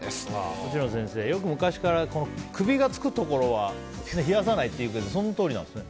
内野先生、よく昔から首がつくところは冷やさないってよく言うけどそのとおりなんですね。